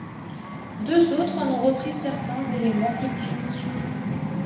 Deux autres en ont repris certains éléments typiques.